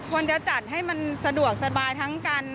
ควรจะจัดให้มันสะดวกสบายทั้งกัน